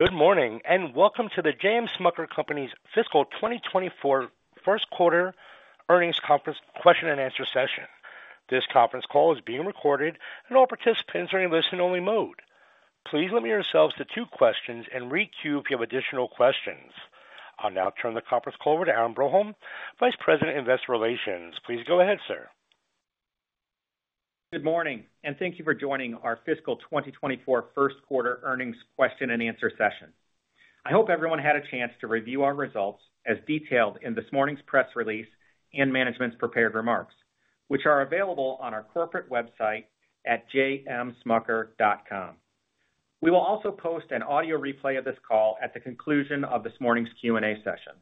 Good morning, and welcome to the J.M. Smucker Company's fiscal 2024 first quarter earnings conference question and answer session. This conference call is being recorded, and all participants are in listen-only mode. Please limit yourselves to two questions and re-queue if you have additional questions. I'll now turn the conference call over to Aaron Broholm, Vice President, Investor Relations. Please go ahead, sir. Good morning, and thank you for joining our fiscal 2024 first quarter earnings question and answer session. I hope everyone had a chance to review our results as detailed in this morning's press release and management's prepared remarks, which are available on our corporate website at jmsmucker.com. We will also post an audio replay of this call at the conclusion of this morning's Q&A session.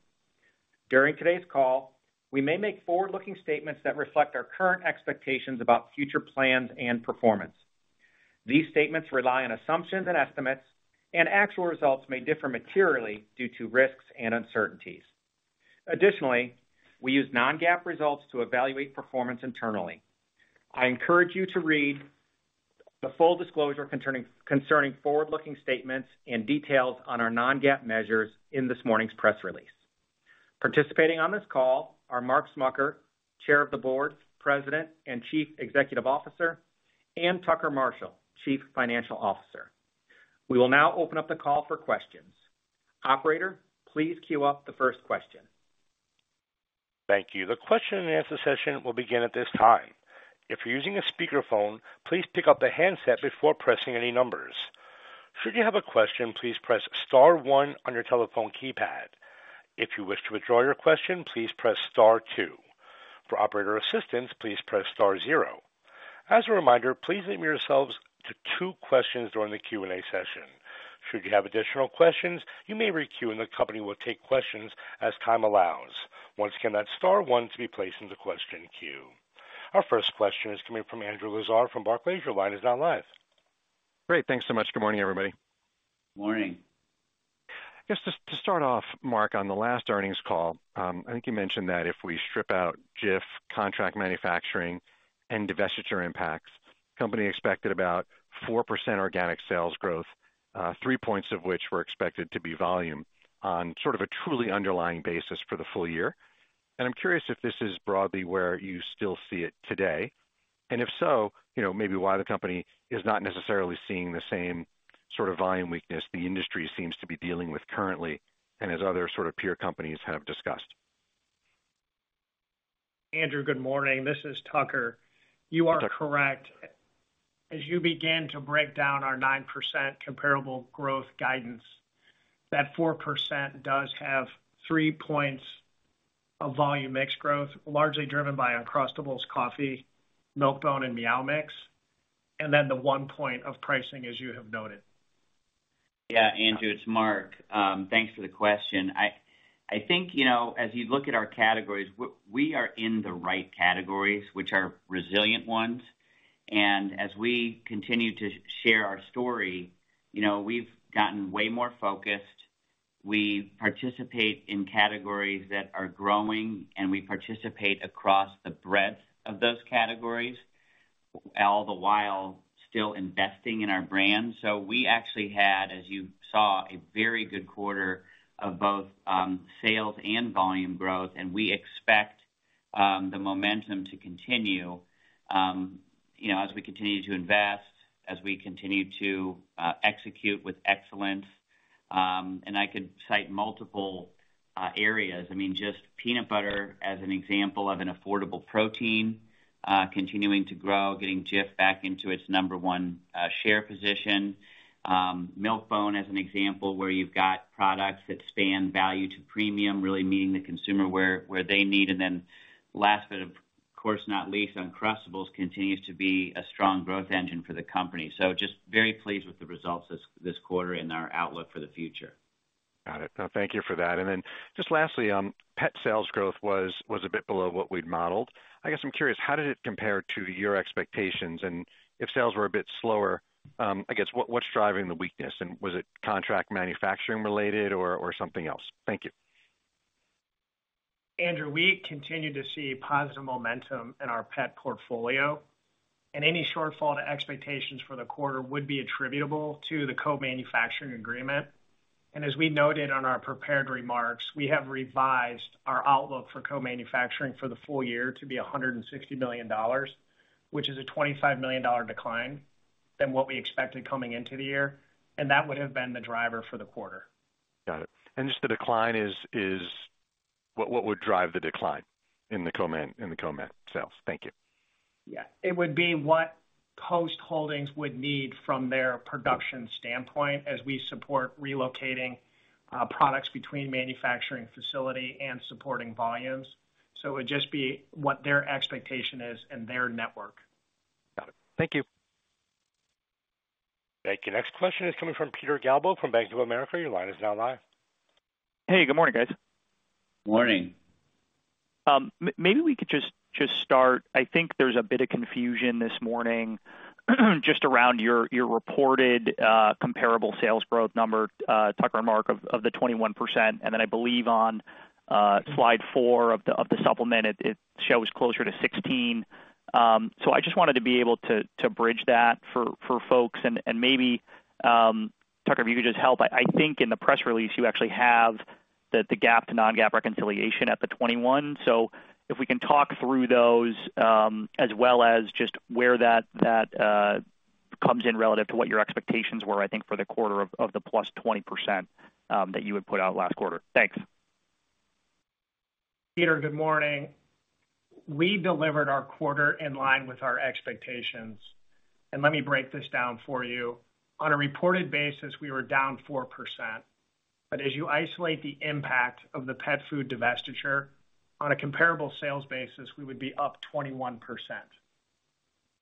During today's call, we may make forward-looking statements that reflect our current expectations about future plans and performance. These statements rely on assumptions and estimates, and actual results may differ materially due to risks and uncertainties. Additionally, we use non-GAAP results to evaluate performance internally. I encourage you to read the full disclosure concerning forward-looking statements and details on our non-GAAP measures in this morning's press release. Participating on this call are Mark Smucker, Chair of the Board, President, and Chief Executive Officer, and Tucker Marshall, Chief Financial Officer. We will now open up the call for questions. Operator, please queue up the first question. Thank you. The question and answer session will begin at this time. If you're using a speakerphone, please pick up the handset before pressing any numbers. Should you have a question, please press star one on your telephone keypad. If you wish to withdraw your question, please press star two. For operator assistance, please press star zero. As a reminder, please limit yourselves to two questions during the Q&A session. Should you have additional questions, you may re-queue, and the company will take questions as time allows. Once again, that's star one to be placed in the question queue. Our first question is coming from Andrew Lazar from Barclays. Your line is now live. Great. Thanks so much. Good morning, everybody. Morning. Just to start off, Mark, on the last earnings call, I think you mentioned that if we strip out Jif contract manufacturing and divestiture impacts, company expected about 4% organic sales growth, three points of which were expected to be volume on sort of a truly underlying basis for the full year. I'm curious if this is broadly where you still see it today, and if so, you know, maybe why the company is not necessarily seeing the same sort of volume weakness the industry seems to be dealing with currently and as other sort of peer companies have discussed. Andrew, good morning. This is Tucker. You are correct. As you begin to break down our 9% comparable growth guidance, that 4% does have three points of volume mix growth, largely driven by Uncrustables, coffee, Milk-Bone, and Meow Mix, and then the one point of pricing, as you have noted. Yeah, Andrew, it's Mark. Thanks for the question. I think, you know, as you look at our categories, we are in the right categories, which are resilient ones. And as we continue to share our story, you know, we've gotten way more focused. We participate in categories that are growing, and we participate across the breadth of those categories, all the while still investing in our brand. So we actually had, as you saw, a very good quarter of both sales and volume growth, and we expect the momentum to continue, you know, as we continue to invest, as we continue to execute with excellence. And I could cite multiple areas. I mean, just peanut butter as an example of an affordable protein continuing to grow, getting Jif back into its number one share position. Milk-Bone, as an example, where you've got products that span value to premium, really meeting the consumer where they need. And then last, but of course, not least, Uncrustables continues to be a strong growth engine for the company. So just very pleased with the results this quarter and our outlook for the future. Got it. Thank you for that. And then just lastly, pet sales growth was a bit below what we'd modeled. I guess I'm curious, how did it compare to your expectations? And if sales were a bit slower, I guess, what's driving the weakness, and was it contract manufacturing related or something else? Thank you. Andrew, we continue to see positive momentum in our pet portfolio, and any shortfall to expectations for the quarter would be attributable to the co-manufacturing agreement. As we noted on our prepared remarks, we have revised our outlook for co-manufacturing for the full year to be $160 million, which is a $25 million decline than what we expected coming into the year, and that would have been the driver for the quarter. Got it. And just, what would drive the decline in the co-man sales? Thank you. Yeah. It would be what Post Holdings would need from their production standpoint as we support relocating products between manufacturing facility and supporting volumes. So it would just be what their expectation is and their network. Got it. Thank you. Thank you. Next question is coming from Peter Galbo from Bank of America. Your line is now live. Hey, good morning, guys. Morning. Maybe we could just start. I think there's a bit of confusion this morning, just around your reported comparable sales growth number, Tucker, Mark, of the 21%, and then I believe on slide four of the supplement, it shows closer to 16. So I just wanted to be able to bridge that for folks and maybe, Tucker, if you could just help. I think in the press release you actually have-... the GAAP to non-GAAP reconciliation at the 21. So if we can talk through those, as well as just where that comes in relative to what your expectations were, I think, for the quarter of the +20%, that you had put out last quarter. Thanks. Peter, good morning. We delivered our quarter in line with our expectations, and let me break this down for you. On a reported basis, we were down 4%, but as you isolate the impact of the pet food divestiture on a comparable sales basis, we would be up 21%.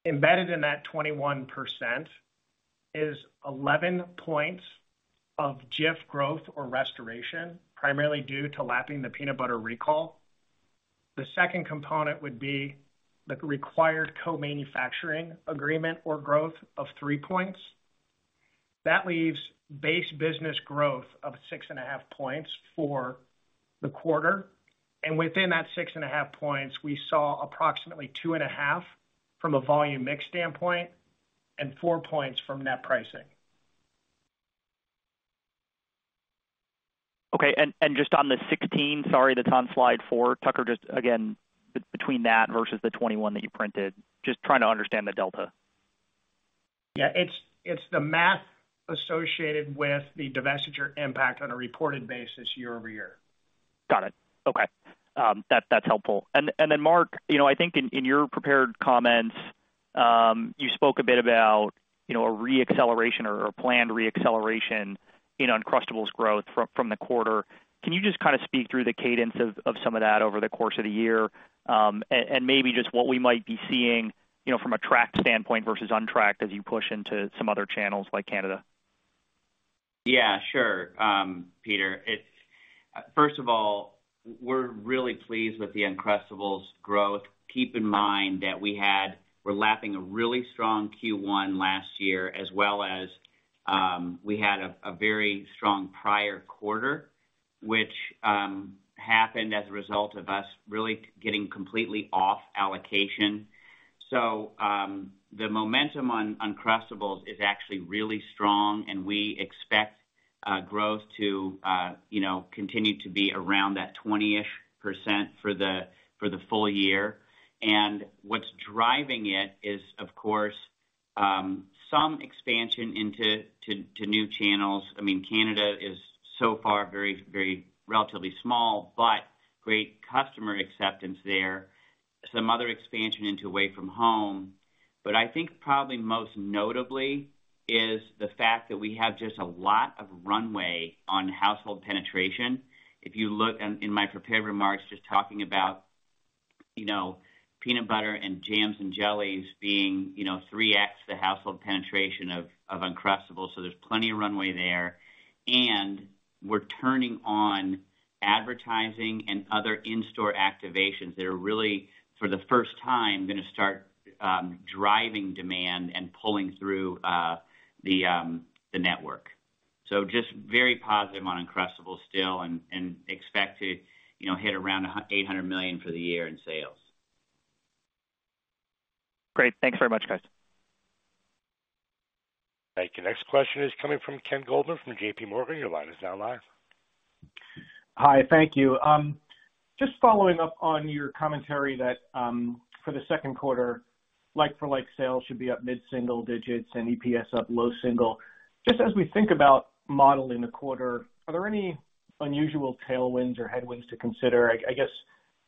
Embedded in that 21% is 11 points of Jif growth or restoration, primarily due to lapping the peanut butter recall. The second component would be the required co-manufacturing agreement or growth of three points. That leaves base business growth of six and half points for the quarter, and within that six and half points, we saw approximately two and half from a volume mix standpoint and four points from net pricing. Okay. And, and just on the 16, sorry, that's on slide four, Tucker, just again, between that versus the 21 that you printed. Just trying to understand the delta. Yeah, it's, it's the math associated with the divestiture impact on a reported basis year-over-year. Got it. Okay. That, that's helpful. And, and then, Mark, you know, I think in, in your prepared comments, you spoke a bit about, you know, a re-acceleration or a planned re-acceleration in Uncrustables growth from, from the quarter. Can you just kind of speak through the cadence of, of some of that over the course of the year, and, and maybe just what we might be seeing, you know, from a tracked standpoint versus untracked as you push into some other channels like Canada? Yeah, sure. Peter, it's first of all, we're really pleased with the Uncrustables growth. Keep in mind that we had we're lapping a really strong Q1 last year, as well as we had a very strong prior quarter, which happened as a result of us really getting completely off allocation. So the momentum on Uncrustables is actually really strong, and we expect growth to you know, continue to be around that 20-ish% for the full year. And what's driving it is, of course, some expansion into new channels. I mean, Canada is so far very, very relatively small, but great customer acceptance there. Some other expansion into away from home. But I think probably most notably is the fact that we have just a lot of runway on household penetration. If you look in my prepared remarks, just talking about, you know, peanut butter and jams and jellies being, you know, 3x the household penetration of Uncrustables, so there's plenty of runway there. And we're turning on advertising and other in-store activations that are really, for the first time, gonna start driving demand and pulling through the network. So just very positive on Uncrustables still and expect to, you know, hit around $800 million for the year in sales. Great. Thanks very much, guys. Thank you. Next question is coming from Ken Goldman from JP Morgan. Your line is now live. Hi, thank you. Just following up on your commentary that for the second quarter, like-for-like sales should be up mid-single digits and EPS up low single. Just as we think about modeling the quarter, are there any unusual tailwinds or headwinds to consider? I guess,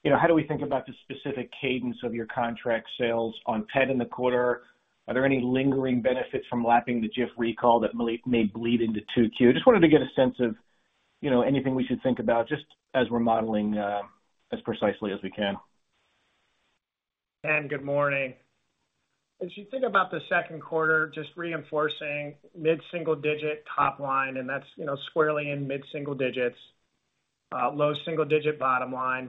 you know, how do we think about the specific cadence of your contract sales on pet in the quarter? Are there any lingering benefits from lapping the Jif recall that may bleed into 2Q? Just wanted to get a sense of, you know, anything we should think about just as we're modeling as precisely as we can. Ken, good morning. As you think about the second quarter, just reinforcing mid-single-digit top line, and that's, you know, squarely in mid-single digits, low single-digit bottom line.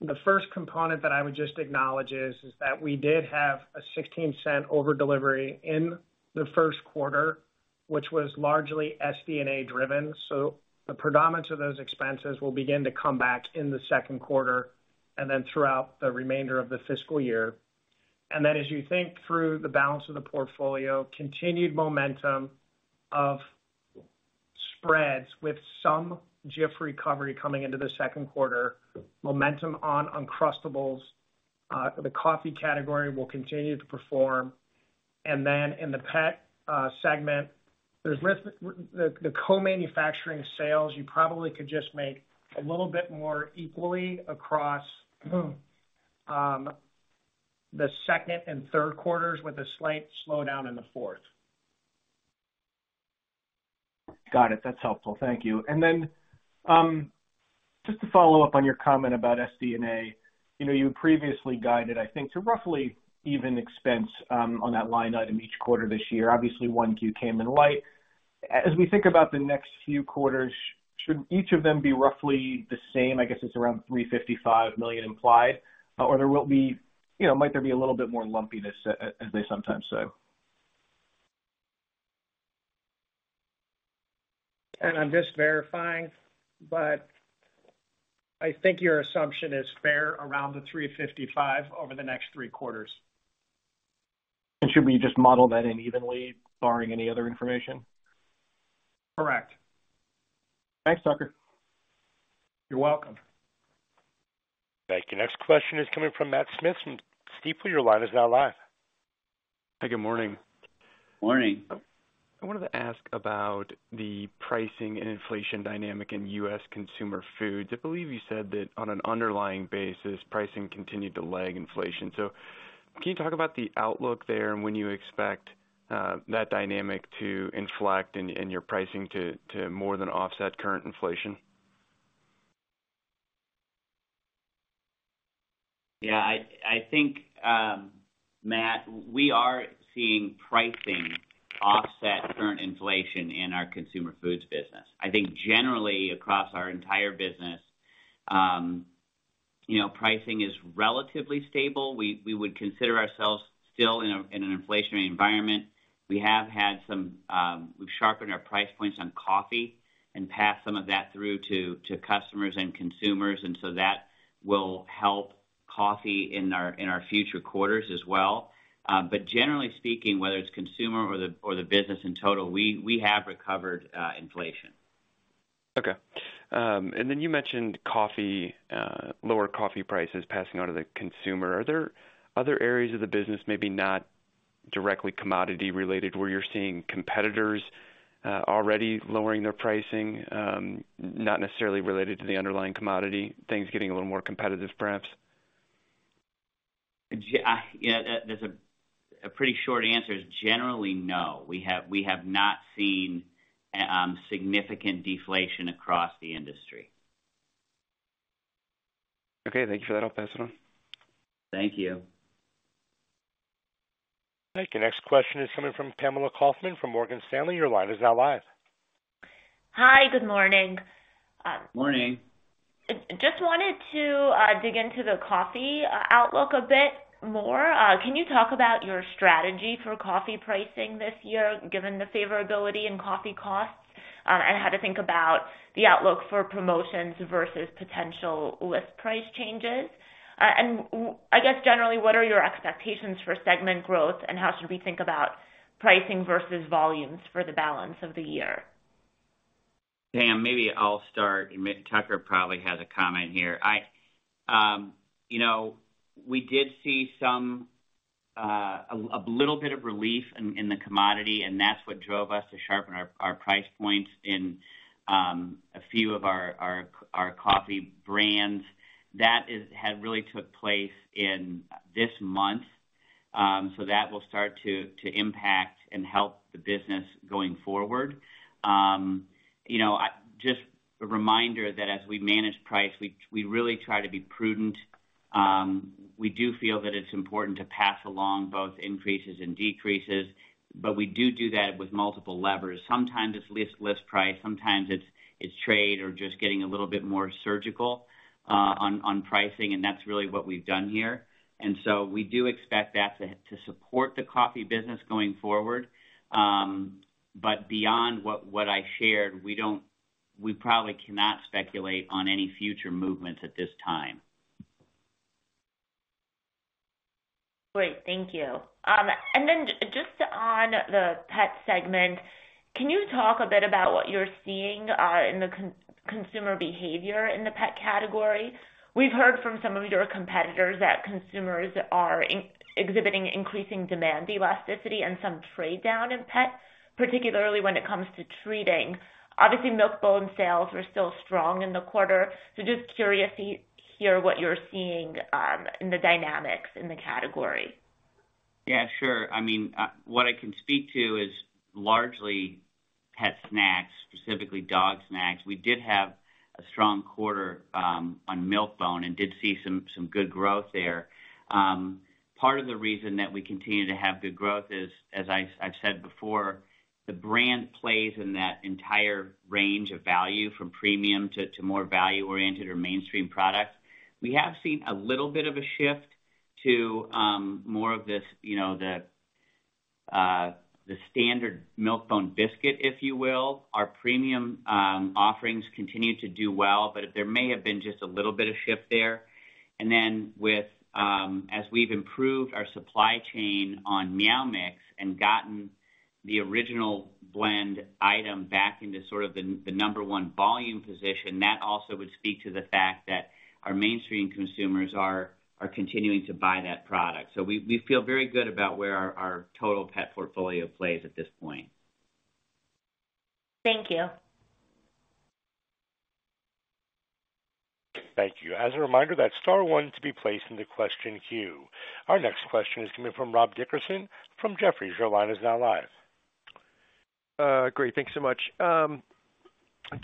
The first component that I would just acknowledge is that we did have a $0.16 overdelivery in the first quarter, which was largely SD&A driven, so the predominance of those expenses will begin to come back in the second quarter and then throughout the remainder of the fiscal year. Then as you think through the balance of the portfolio, continued momentum of spreads with some Jif recovery coming into the second quarter, momentum on Uncrustables, the coffee category will continue to perform. In the pet segment, there's risk, the co-manufacturing sales, you probably could just make a little bit more equally across the second and third quarters with a slight slowdown in the fourth. Got it. That's helpful. Thank you. And then, just to follow up on your comment about SD&A, you know, you previously guided, I think, to roughly even expense on that line item each quarter this year. Obviously, 1Q came in light. As we think about the next few quarters, should each of them be roughly the same? I guess it's around $355 million implied, or there will be... You know, might there be a little bit more lumpiness as they sometimes say? I'm just verifying, but I think your assumption is fair around the $3.55 over the next three quarters.... Should we just model that in evenly, barring any other information? Correct. Thanks, Tucker. You're welcome. Thank you. Next question is coming from Matt Smith from Stifel. Your line is now live. Hey, good morning. Morning. I wanted to ask about the pricing and inflation dynamic in U.S. consumer foods. I believe you said that on an underlying basis, pricing continued to lag inflation. So can you talk about the outlook there and when you expect that dynamic to inflect and your pricing to more than offset current inflation? Yeah, I think, Matt, we are seeing pricing offset current inflation in our consumer foods business. I think generally across our entire business, you know, pricing is relatively stable. We would consider ourselves still in an inflationary environment. We have had some-- we've sharpened our price points on coffee and passed some of that through to customers and consumers, and so that will help coffee in our future quarters as well. But generally speaking, whether it's consumer or the business in total, we have recovered inflation. Okay. And then you mentioned coffee, lower coffee prices passing on to the consumer. Are there other areas of the business, maybe not directly commodity related, where you're seeing competitors, already lowering their pricing, not necessarily related to the underlying commodity, things getting a little more competitive, perhaps? Yeah, yeah, that's a pretty short answer is generally, no. We have not seen significant deflation across the industry. Okay, thank you for that. I'll pass it on. Thank you. Thank you. Next question is coming from Pamela Kaufman from Morgan Stanley. Your line is now live. Hi, good morning. Morning. Just wanted to dig into the coffee outlook a bit more. Can you talk about your strategy for coffee pricing this year, given the favorability in coffee costs, and how to think about the outlook for promotions versus potential list price changes? And I guess, generally, what are your expectations for segment growth, and how should we think about pricing versus volumes for the balance of the year? Pam, maybe I'll start, and Tucker probably has a comment here. I, you know, we did see some a little bit of relief in the commodity, and that's what drove us to sharpen our price points in a few of our coffee brands. That had really took place in this month, so that will start to impact and help the business going forward. You know, I just a reminder that as we manage price, we really try to be prudent. We do feel that it's important to pass along both increases and decreases, but we do do that with multiple levers. Sometimes it's list price, sometimes it's trade or just getting a little bit more surgical on pricing, and that's really what we've done here. So we do expect that to support the coffee business going forward. But beyond what I shared, we probably cannot speculate on any future movements at this time. Great, thank you. Then just on the pet segment, can you talk a bit about what you're seeing in the consumer behavior in the pet category? We've heard from some of your competitors that consumers are exhibiting increasing demand elasticity and some trade down in pets, particularly when it comes to treating. Obviously, Milk-Bone sales were still strong in the quarter, so just curious to hear what you're seeing in the dynamics in the category. Yeah, sure. I mean, what I can speak to is largely pet snacks, specifically dog snacks. We did have a strong quarter on Milk-Bone and did see some good growth there. Part of the reason that we continue to have good growth is, as I've said before, the brand plays in that entire range of value, from premium to more value-oriented or mainstream products. We have seen a little bit of a shift to more of this, you know, the standard Milk-Bone biscuit, if you will. Our premium offerings continue to do well, but there may have been just a little bit of shift there. And then with as we've improved our supply chain on Meow Mix and gotten the original blend item back into sort of the number one volume position, that also would speak to the fact that our mainstream consumers are continuing to buy that product. So we feel very good about where our total pet portfolio plays at this point. Thank you. Thank you. As a reminder, that's star one to be placed in the question queue. Our next question is coming from Rob Dickerson from Jefferies. Your line is now live. Great, thanks so much.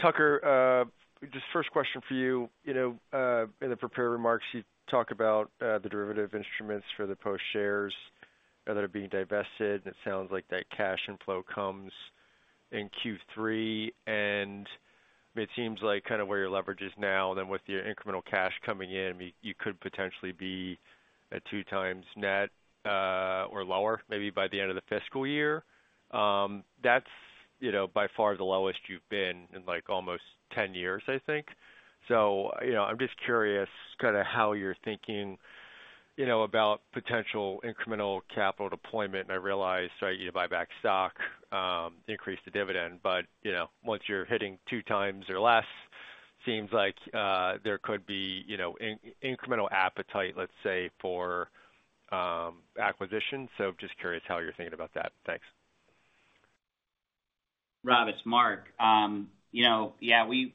Tucker, just first question for you. You know, in the prepared remarks, you talk about the derivative instruments for the Post shares that are being divested, and it sounds like that cash inflow comes in Q3. And it seems like kind of where your leverage is now, then with your incremental cash coming in, you could potentially be at two times net or lower, maybe by the end of the fiscal year. That's-... you know, by far the lowest you've been in, like, almost 10 years, I think. So, you know, I'm just curious kind of how you're thinking, you know, about potential incremental capital deployment. I realize, right, you buy back stock, increase the dividend, but, you know, once you're hitting two times or less, seems like there could be, you know, incremental appetite, let's say, for acquisition. So just curious how you're thinking about that. Thanks. Rob, it's Mark. You know, yeah, we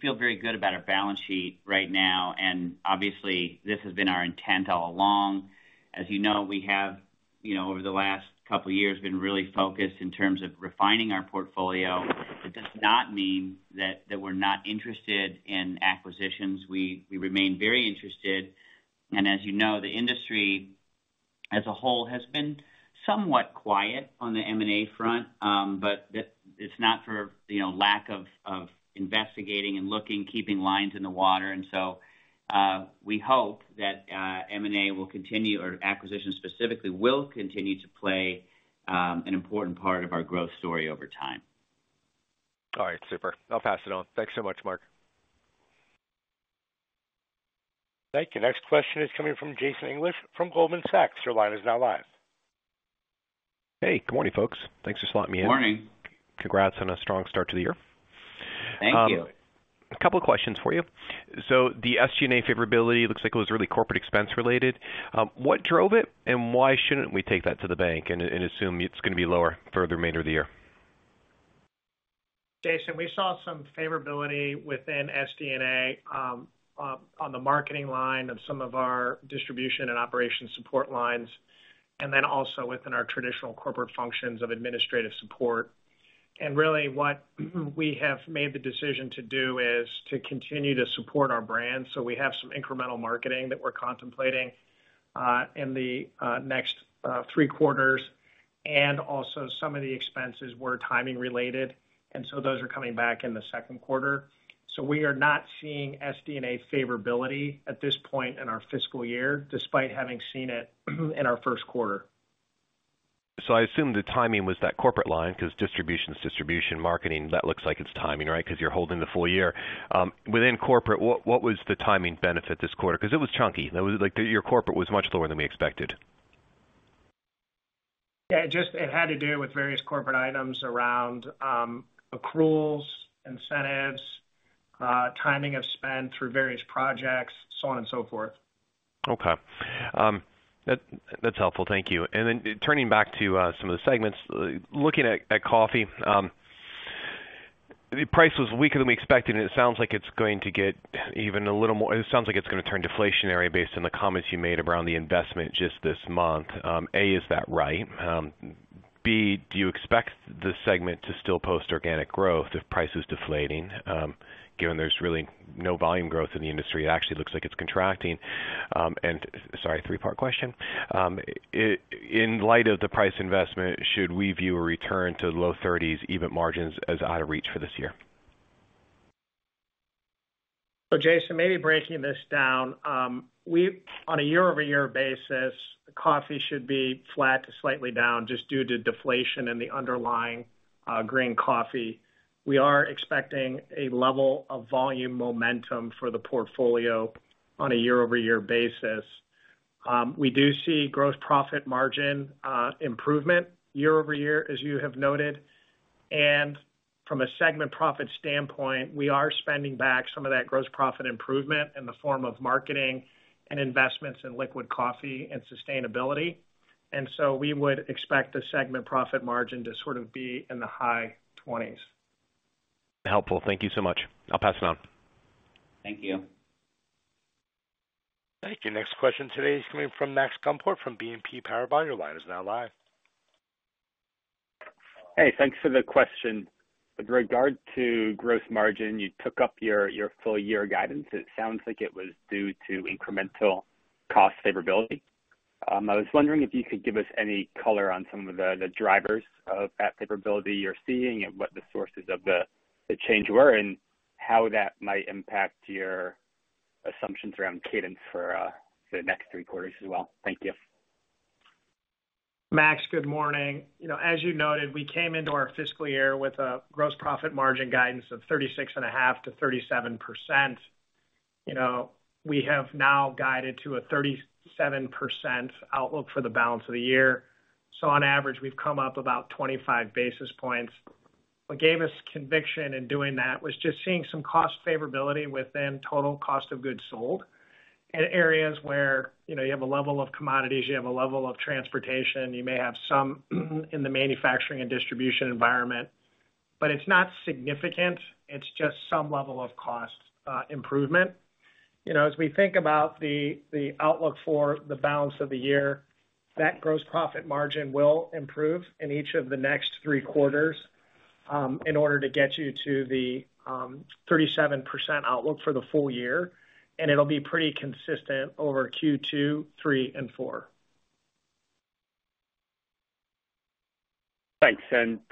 feel very good about our balance sheet right now, and obviously, this has been our intent all along. As you know, we have, you know, over the last couple of years, been really focused in terms of refining our portfolio. It does not mean that we're not interested in acquisitions. We remain very interested, and as you know, the industry, as a whole, has been somewhat quiet on the M&A front, but it's not for, you know, lack of investigating and looking, keeping lines in the water. So, we hope that M&A will continue, or acquisition specifically, will continue to play an important part of our growth story over time. All right, super. I'll pass it on. Thanks so much, Mark. Thank you. Next question is coming from Jason English from Goldman Sachs. Your line is now live. Hey, good morning, folks. Thanks for slotting me in. Good morning. Congrats on a strong start to the year. Thank you. A couple of questions for you. So the SD&A favorability looks like it was really corporate expense related. What drove it, and why shouldn't we take that to the bank and assume it's gonna be lower for the remainder of the year? Jason, we saw some favorability within SD&A, on the marketing line of some of our distribution and operations support lines, and then also within our traditional corporate functions of administrative support. And really, what we have made the decision to do is to continue to support our brand. So we have some incremental marketing that we're contemplating, in the next three quarters, and also some of the expenses were timing related, and so those are coming back in the second quarter. So we are not seeing SD&A favorability at this point in our fiscal year, despite having seen it in our first quarter. So I assume the timing was that corporate line, 'cause distribution is distribution, marketing, that looks like it's timing, right? 'Cause you're holding the full year. Within corporate, what, what was the timing benefit this quarter? 'Cause it was chunky. It was like, your corporate was much lower than we expected. Yeah, just it had to do with various corporate items around, accruals, incentives, timing of spend through various projects, so on and so forth. Okay. That, that's helpful. Thank you. And then turning back to some of the segments. Looking at coffee, the price was weaker than we expected, and it sounds like it's going to get even a little more, it sounds like it's gonna turn deflationary based on the comments you made around the investment just this month. A, is that right? B, do you expect the segment to still post organic growth if price is deflating, given there's really no volume growth in the industry, it actually looks like it's contracting? And sorry, three-part question. In light of the price investment, should we view a return to low thirties even margins, as out of reach for this year? So, Jason, maybe breaking this down. On a year-over-year basis, coffee should be flat to slightly down, just due to deflation in the underlying green coffee. We are expecting a level of volume momentum for the portfolio on a year-over-year basis. We do see gross profit margin improvement year-over-year, as you have noted. And from a segment profit standpoint, we are spending back some of that gross profit improvement in the form of marketing and investments in liquid coffee and sustainability. And so we would expect the segment profit margin to sort of be in the high 20s. Helpful. Thank you so much. I'll pass it on. Thank you. Thank you. Next question today is coming from Max Gumport, from BNP Paribas. Your line is now live. Hey, thanks for the question. With regard to gross margin, you took up your full year guidance. It sounds like it was due to incremental cost favorability. I was wondering if you could give us any color on some of the drivers of that favorability you're seeing, and what the sources of the change were, and how that might impact your assumptions around cadence for the next three quarters as well. Thank you. Max, good morning. You know, as you noted, we came into our fiscal year with a gross profit margin guidance of 36.5%-37%. You know, we have now guided to a 37% outlook for the balance of the year. So on average, we've come up about 25 basis points. What gave us conviction in doing that was just seeing some cost favorability within total cost of goods sold in areas where, you know, you have a level of commodities, you have a level of transportation, you may have some in the manufacturing and distribution environment, but it's not significant. It's just some level of cost improvement. You know, as we think about the outlook for the balance of the year, that gross profit margin will improve in each of the next three quarters in order to get you to the 37% outlook for the full year, and it'll be pretty consistent over Q2, three, and four. Thanks.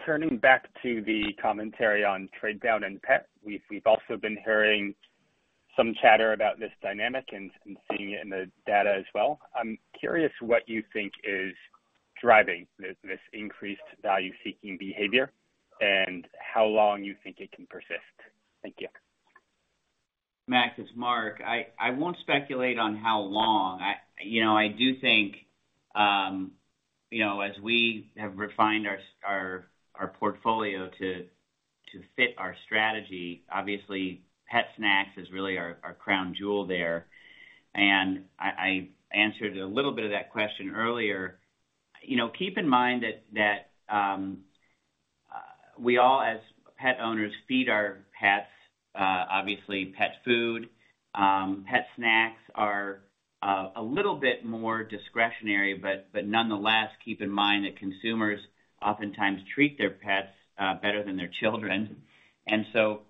Turning back to the commentary on trade down and pet, we've also been hearing-... some chatter about this dynamic and seeing it in the data as well. I'm curious what you think is driving this increased value-seeking behavior, and how long you think it can persist? Thank you. Max, it's Mark. I won't speculate on how long. You know, I do think, you know, as we have refined our portfolio to fit our strategy, obviously, pet snacks is really our crown jewel there. And I answered a little bit of that question earlier. You know, keep in mind that we all, as pet owners, feed our pets, obviously, pet food. Pet snacks are a little bit more discretionary, but nonetheless, keep in mind that consumers oftentimes treat their pets better than their children. And so,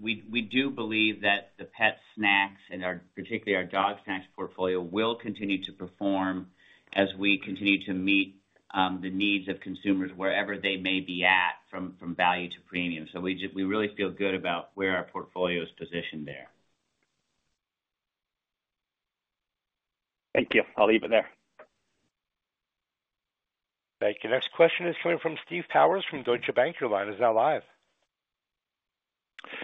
we do believe that the pet snacks and our, particularly our dog snacks portfolio, will continue to perform as we continue to meet the needs of consumers wherever they may be at, from value to premium. So we just, we really feel good about where our portfolio is positioned there. Thank you. I'll leave it there. Thank you. Next question is coming from Steve Powers from Deutsche Bank. Your line is now live.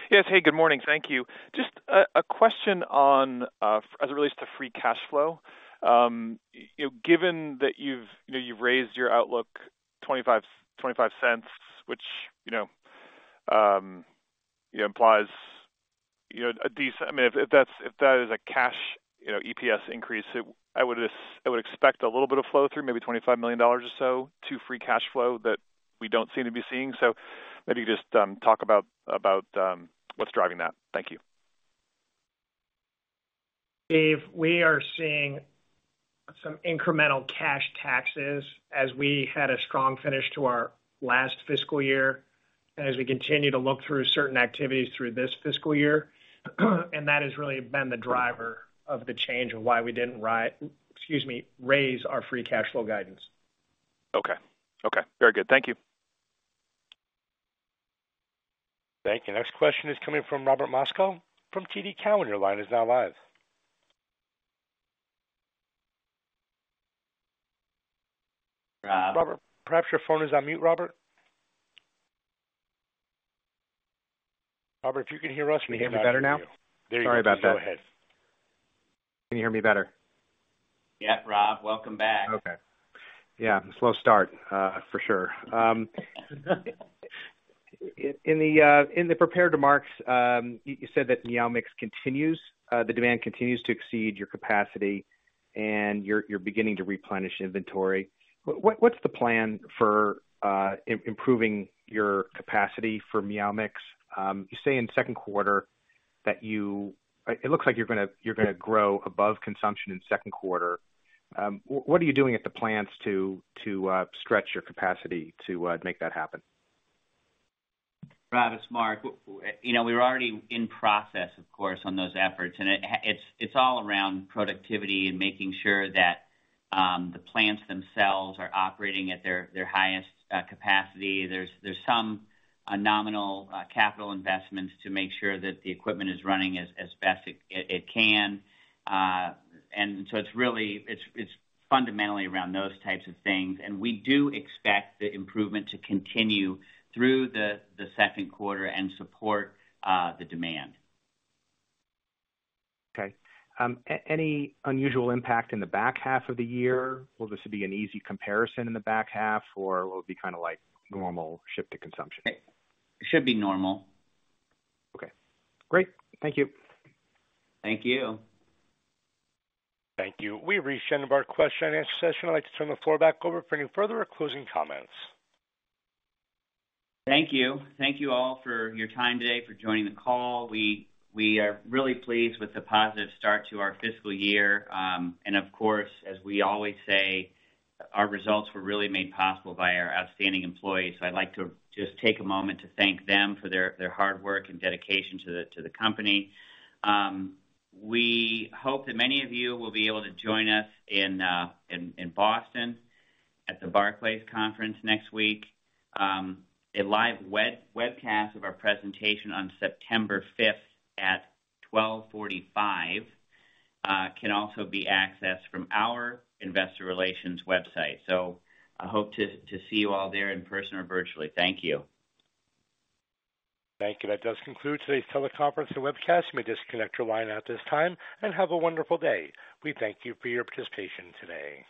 Yes. Hey, good morning. Thank you. Just a question on, as it relates to free cash flow. You know, given that you've raised your outlook $0.25, which implies, I mean, if that's if that is a cash EPS increase, I would expect a little bit of flow through maybe $25 million or so to free cash flow that we don't seem to be seeing. So maybe just talk about what's driving that. Thank you. Steve, we are seeing some incremental cash taxes as we had a strong finish to our last fiscal year, and as we continue to look through certain activities through this fiscal year. And that has really been the driver of the change of why we didn't excuse me, raise our free cash flow guidance. Okay. Okay, very good. Thank you. Thank you. Next question is coming from Robert Moskow from TD Cowen. Your line is now live. Uh- Robert, perhaps your phone is on mute, Robert. Robert, if you can hear us, we can hear you. Can you hear me better now? There you go. Sorry about that. Go ahead. Can you hear me better? Yeah, Rob, welcome back. Okay. Yeah, slow start, for sure. In the prepared remarks, you said that Meow Mix continues, the demand continues to exceed your capacity, and you're beginning to replenish inventory. What, what's the plan for improving your capacity for Meow Mix? You say in the second quarter that you... It looks like you're gonna grow above consumption in the second quarter. What are you doing at the plants to stretch your capacity to make that happen? Rob, it's Mark. You know, we're already in process, of course, on those efforts, and it's all around productivity and making sure that the plants themselves are operating at their highest capacity. There's some nominal capital investments to make sure that the equipment is running as best it can. And so it's really, it's fundamentally around those types of things. And we do expect the improvement to continue through the second quarter and support the demand. Okay. Any unusual impact in the back half of the year? Will this be an easy comparison in the back half, or will it be kind of like normal ship to consumption? It should be normal. Okay. Great. Thank you. Thank you. Thank you. We've reached the end of our question and answer session. I'd like to turn the floor back over for any further or closing comments. Thank you. Thank you all for your time today, for joining the call. We are really pleased with the positive start to our fiscal year. And of course, as we always say, our results were really made possible by our outstanding employees. So I'd like to just take a moment to thank them for their hard work and dedication to the company. We hope that many of you will be able to join us in Boston at the Barclays conference next week. A live webcast of our presentation on September 5th at 12:45 P.M. can also be accessed from our investor relations website. So I hope to see you all there in person or virtually. Thank you. Thank you. That does conclude today's teleconference and webcast. You may disconnect your line at this time, and have a wonderful day. We thank you for your participation today.